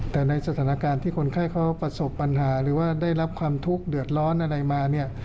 แต่ในสถานการณ์ที่คนไข้เขาประสบปัญหาหรือว่าได้รับความทุกข์เดือดร้อนอะไรมาเนี่ย